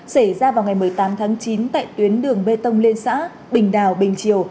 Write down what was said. xảy ra vào ngày một mươi tám tháng chín tại tuyến đường bê tông liên xã bình đào bình triều